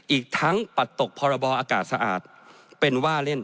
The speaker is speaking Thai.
อีกทั้งปัดตกพรบอากาศสะอาดเป็นว่าเล่น